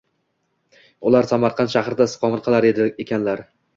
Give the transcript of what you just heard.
Ular Samarqand shahrida istiqomat qilar ekanlar.